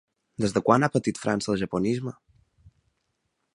Des de quan ha patit França el japonisme?